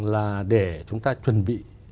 là để chúng ta chuẩn bị